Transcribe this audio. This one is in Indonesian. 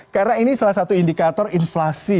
karena ini salah satu indikator inflasi